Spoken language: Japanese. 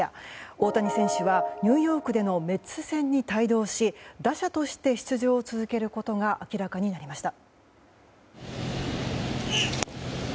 大谷選手はニューヨークでのメッツ戦に帯同し打者として出場を続けることが明らかになりました。